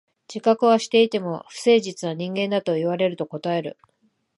自覚はしていても、不誠実な人間だと言われると応える。